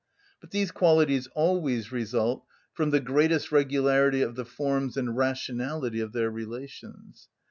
But these qualities always result from the greatest regularity of the forms and rationality of their relations.